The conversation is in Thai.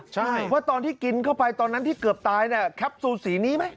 เพราะตอนที่กินเข้าไปตอนนั้นที่เกือบตายแคปซูลสีนี้ไหม